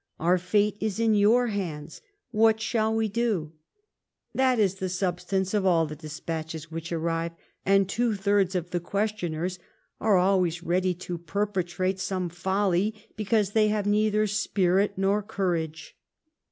Our fate is in your hands; what shall we do ?' That is the substance of all the despatches which arrive, and two thirds of the questioners are always ready to perpetrate some folly, because they have neither spirit nor courage."